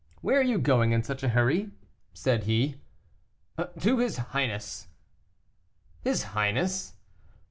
"Where are you going in such a hurry?" said he. "To his highness." "His highness?"